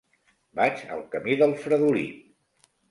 Vaig al camí del Fredolic.